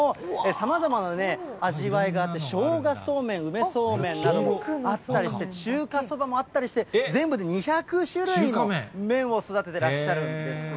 さまざまな味わいがあって、しょうがそうめん、梅そうめんなど、あったりして、中華そばもあったりして、全部で２００種類の麺を育ててらっしゃるんです。